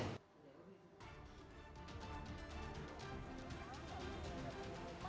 itu benar pak